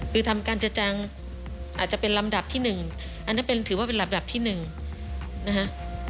คือทำการจะจังอาจจะเป็นลำดับที่๑อันนั้นถือว่าเป็นลำดับที่๑นะฮะ